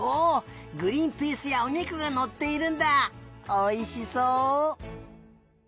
おいしそう！